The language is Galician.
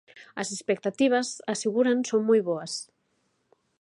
As expectativas, aseguran, son moi boas.